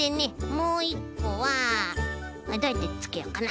もういっこはどうやってつけようかな。